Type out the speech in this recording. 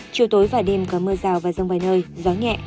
chiều tối và đêm có mưa rào và rông vài nơi gió nhẹ